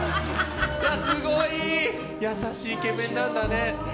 すごい！優しいイケメンなんだね。